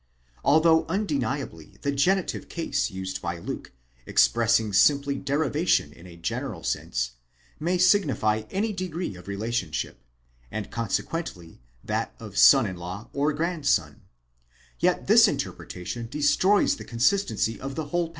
Although undeniably the genitive case used by Luke, expressing simply derivation Im a general sense, may signify any degree of relationship, and consequently that of son in law or grandson; yet this interpretation destroys the consistency of the whole